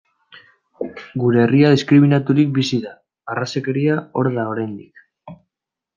Gure herria diskriminaturik bizi da, arrazakeria hor da oraindik.